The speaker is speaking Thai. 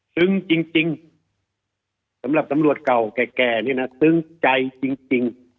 ซึ่งจริงสำหรับสำรวจเก่าแก่ซึ่งใจจริง